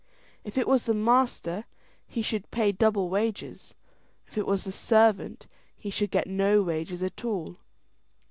If it was the master, he should also pay double wages; if it was the servant, he should get no wages at all.